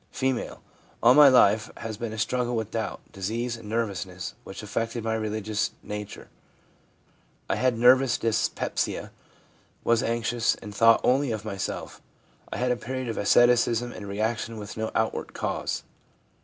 F. * All my life has been a struggle with doubt, disease and nervous ness, which affected my religious nature. I had nervous dyspepsia, was anxious, and thought only t)f myself. I had a period of asceticism and reaction, with no out ward cause/ F.